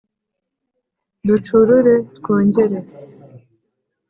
ducurure twongere